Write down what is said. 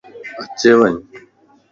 اڇي وڃ